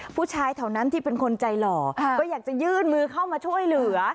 ผู้ชายแถวนั้นที่เป็นคนใจหล่อก็อยากจะยื่นมือเข้ามาช่วยเหลือ